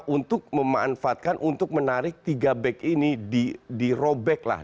untuk memanfaatkan untuk menarik tiga back ini dirobek lah